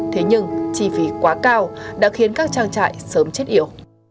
thế nhưng chi phí quá cao đã khiến các trang trại sớm chết yếu